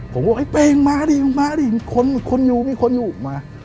ผมบอกไอ้เป้มาดิมีคนอยู่มา